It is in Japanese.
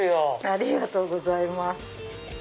ありがとうございます。